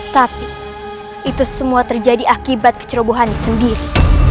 tapi itu semua terjadi akibat kecerobohan sendiri